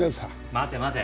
待て待て。